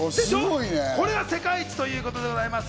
これが世界一ということです。